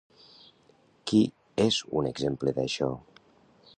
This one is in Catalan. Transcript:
Qui és un exemple d'això?